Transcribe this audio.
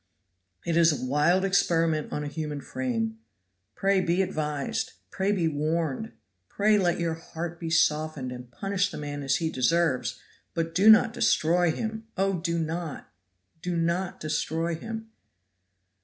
It is a wild experiment on a human frame. Pray be advised, pray be warned, pray let your heart be softened and punish the man as he deserves but do not destroy him! oh, do not! do not destroy him!"